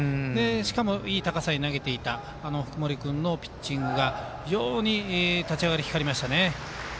しかもいい高さに投げていた福盛のピッチングが非常に立ち上がり、光りましたね。